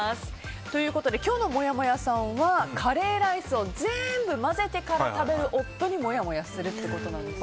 ということで今日のもやもやさんはカレーライスを全部混ぜてから食べる夫にもやもやするということですが。